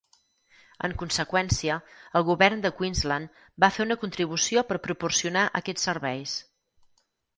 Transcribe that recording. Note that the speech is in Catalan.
En conseqüència, el Govern de Queensland va fer una contribució per proporcionar aquests serveis.